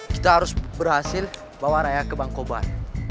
kita harus berhasil bawa raya ke bangkoban